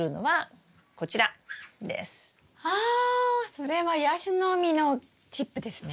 それはヤシの実のチップですね。